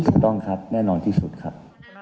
ถูกต้องครับแน่นอนที่สุดครับ